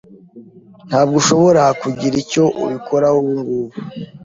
Ntabwo uzashobora kugira icyo ubikoraho ubungubu.